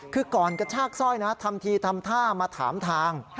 คือก่อนกระชากสร้อยนะทำทีทำท่ามาถามทาง